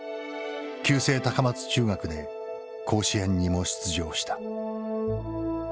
旧制高松中学で甲子園にも出場した。